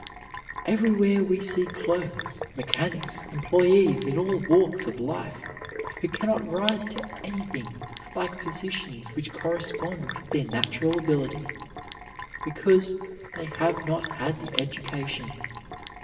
Everywhere we see clerks, mechanics, employees in all walks of life, who cannot rise to anything like positions which correspond with their natural ability, because they have not had the education.